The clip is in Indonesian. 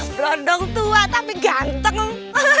berondong tua tapi ganteng